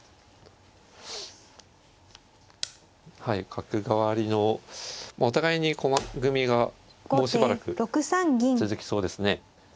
角換わりのお互いに駒組みがもうしばらく続きそうですね。